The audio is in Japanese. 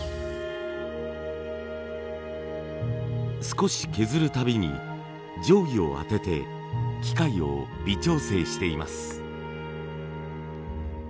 少し削るたびに定規を当てて機械を微調整しています。